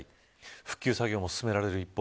復旧作業も進められる一方